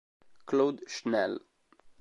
Claude Schnell